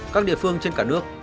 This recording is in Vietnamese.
các địa phương trên cả nước